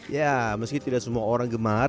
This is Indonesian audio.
ya meski tidak semua orang gemar